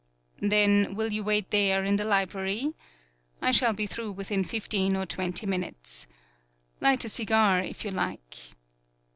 "Then, will you wait there in the li brary? I shall be through within fif teen or twenty minutes. Light a cigar, if you like."